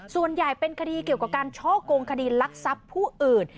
ส่วนใหญ่เป็นคดีเกี่ยวกับการช่อกงคดีลักทรัพย์ผู้อื่น